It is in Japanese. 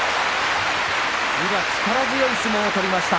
宇良、力強い相撲を取りました。